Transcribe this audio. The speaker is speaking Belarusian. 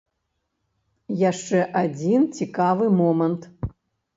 Яшчэ адзін цікавы момант.